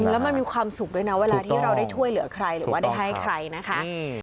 แล้วมันมีความสุขด้วยนะเวลาที่เราได้ช่วยเหลือใครหรือว่าได้ให้ใครนะคะ